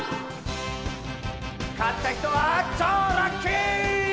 勝った人は超ラッキー！